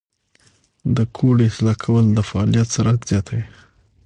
د کوډ اصلاح کول د فعالیت سرعت زیاتوي.